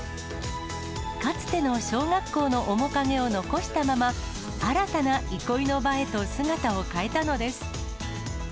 かつての小学校の面影を残したまま、新たな憩いの場へと姿を変えたのです。